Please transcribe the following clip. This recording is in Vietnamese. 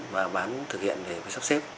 và bán thực hiện để sắp xếp